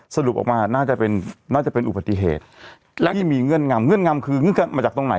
สรุปออกมาน่าจะเป็นน่าจะเป็นอุบัติเหตุแล้วที่มีเงื่อนงำเงื่อนงำคือเงื่อนงำมาจากตรงไหน